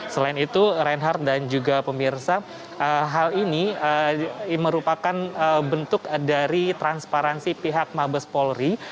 selain itu reinhardt dan juga pemirsa hal ini merupakan bentuk dari transparansi pihak mabes polri